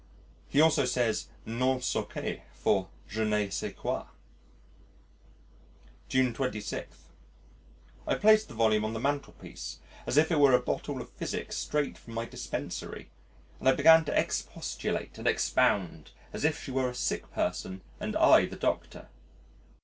He also says non so che for je ne sais quoi. June 26. ... I placed the volume on the mantelpiece as if it were a bottle of physic straight from my Dispensary, and I began to expostulate and expound, as if she were a sick person and I the doctor....